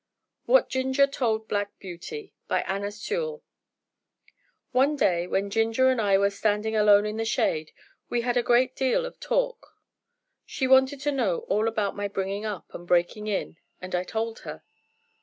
WHAT GINGER TOLD BLACK BEAUTY By Anna Sewell One day when Ginger and I were standing alone in the shade, we had a great deal of talk; she wanted to know all about my bringing up and breaking in, and I told her.